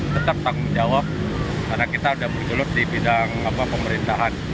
tetap tanggung jawab karena kita sudah bergelut di bidang pemerintahan